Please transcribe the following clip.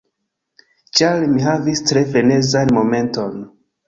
Ĉar mi havis tre frenezan momenton.